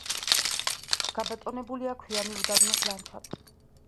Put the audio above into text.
გაბატონებულია ქვიანი უდაბნოს ლანდშაფტი.